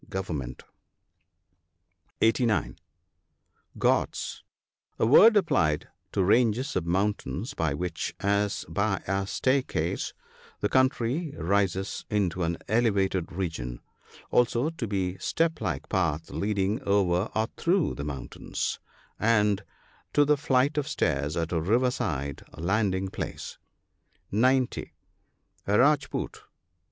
"Govern ment." NOTES. 159 (89) Ghauts. — A word applied to ranges of mountain, by which, as by a staircase y the country rises into an elevated region. Also to the step like path leading over or through the mountains, and to the flight of stairs at a river side landing place. (90.) A rajpoot.